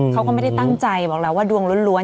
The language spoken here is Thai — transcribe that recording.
เขาก็ไม่ได้ตั้งใจบอกแล้วว่าดวงล้วน